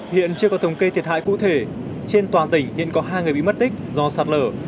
hiện chưa có thống kê thiệt hại cụ thể trên toàn tỉnh hiện có hai người bị mất tích do sạt lở